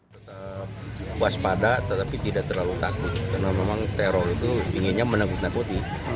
tetap waspada tetapi tidak terlalu takut karena memang teror itu inginnya menakut nakuti